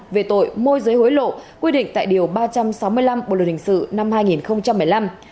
về tội môi giới hối lộ quy định tại điều ba trăm sáu mươi năm bộ luật hình sự năm hai nghìn một mươi năm